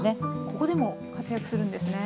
ここでも活躍するんですね。